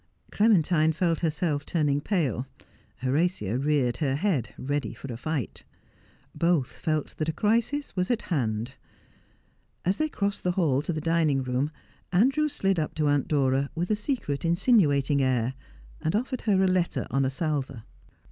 Clementine felt herself turning pale. Horatia reared her head ready for a fight. Both felt that a crisis was at hand. As they crossed the hall to the dining room Andrew slid up to Aunt Dora, with a secret, insinuating air, and offered her a letter on a salver.